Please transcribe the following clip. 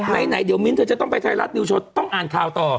ไปในหลายเดี๋ยวมิ๊นท์เธอจะต้องไปสายรัดดิวชฎต้องอ่านข่าวต่อ